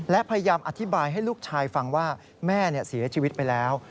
และพยายามอธิบายให้ลูกชายฟังว่าแม่เสียชีวิตไปแล้ว